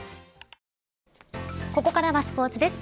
ここからスポーツです。